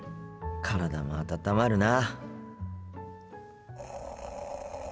体も温まるな。